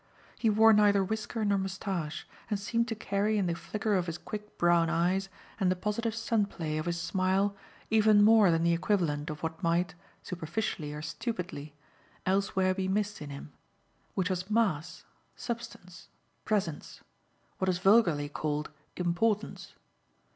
He wore neither whisker nor moustache and seemed to carry in the flicker of his quick brown eyes and the positive sun play of his smile even more than the equivalent of what might, superficially or stupidly, elsewhere be missed in him; which was mass, substance, presence what is vulgarly called importance.